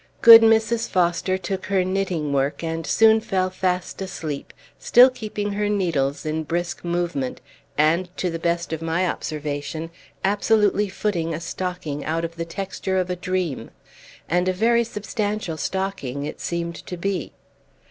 Good Mrs. Foster took her knitting work, and soon fell fast asleep, still keeping her needles in brisk movement, and, to the best of my observation, absolutely footing a stocking out of the texture of a dream. And a very substantial stocking it seemed to be.